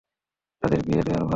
তাদের বিয়ে দেয়ায় ভালো।